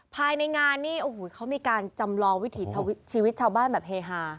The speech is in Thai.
ภายในงานนี่โอ้โหเขามีการจำลองวิถีชีวิตชาวบ้านแบบเฮฮา